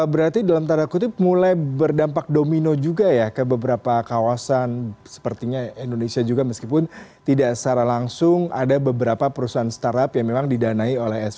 berarti dalam tanda kutip mulai berdampak domino juga ya ke beberapa kawasan sepertinya indonesia juga meskipun tidak secara langsung ada beberapa perusahaan startup yang memang didanai oleh sdm